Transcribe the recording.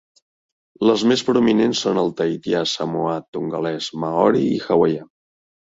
Les més prominents són el tahitià, samoà, tongalès, maori i hawaià.